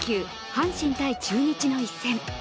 阪神×中日の一戦。